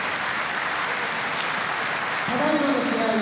ただいまの試合